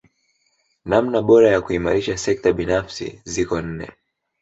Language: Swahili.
Namna bora ya kuimarisha sekta binafsi ziko nne